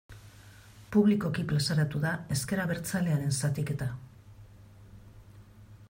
Publikoki plazaratu da ezker abertzalearen zatiketa.